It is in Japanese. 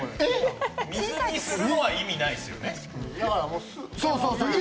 水にするのは意味ないですよね。